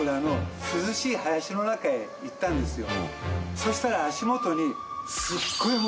そしたら足元に。